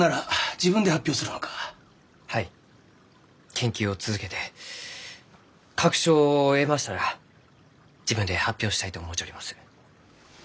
研究を続けて確証を得ましたら自分で発表したいと思うちょります。